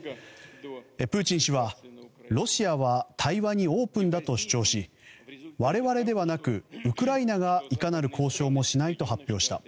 プーチン氏は、ロシアは対話にオープンだと主張し我々ではなく、ウクライナがいかなる交渉もしないと発表した。